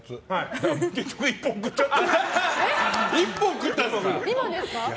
だから結局１本食べちゃった。